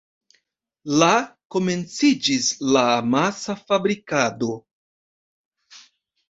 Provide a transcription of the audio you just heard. La komenciĝis la amasa fabrikado.